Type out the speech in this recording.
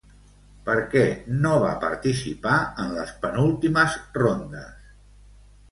Per què no va participar en les penúltimes rondes?